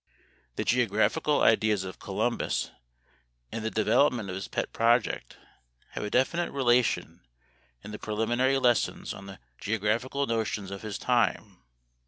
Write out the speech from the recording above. The geographical ideas of Columbus and the development of his pet project have a definite relation to the preliminary lessons on the geographical notions of his time.